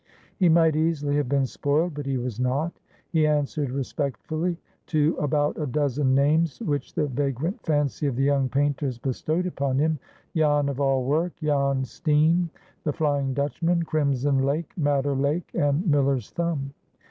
He might easily have been spoiled, but he was not. He answered respectfully to about a dozen names which the vagrant fancy of the young painters bestowed upon him: Jan of all work—Jan Steen—The Flying Dutchman—Crimson Lake—Madder Lake—and Miller's Thumb.